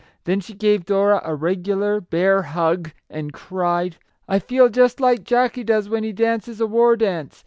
Then she gave Dora a regular <c bear hug," and cried :" I feel just like Jackie does when he dances a war dance